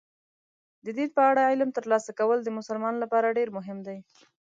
د دین په اړه علم ترلاسه کول د مسلمان لپاره ډېر مهم دي.